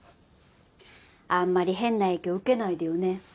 あんまり変な影響受けないでよね。